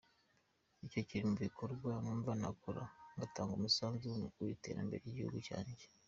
Icyo kiri mu bikorwa numva nakora ngatanga umusanzu ku iterambere ry’igihugu cyanjye.